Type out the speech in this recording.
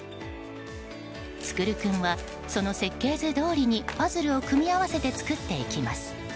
創君は、その設計図どおりにパズルを組み合わせて作っていきます。